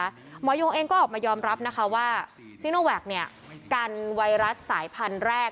หมอยงเองก็ออกมายอมรับนะคะว่าซีโนแวคกันไวรัสสายพันธุ์แรก